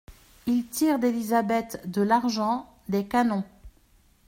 Il tire d'Élisabeth de l'argent, des canons.